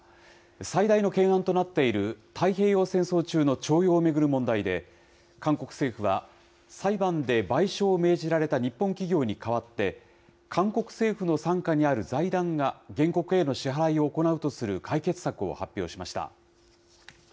最大の懸案となっている太平洋戦争中の徴用を巡る問題で、韓国政府は、裁判で賠償を命じられた日本企業に代わって、韓国政府の傘下にある財団が原告への支払いを行うとする解決策を発表しました。